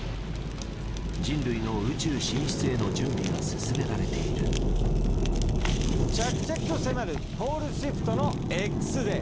人類の宇宙進出への準備が進められている着々と迫るポールシフトのＸデー。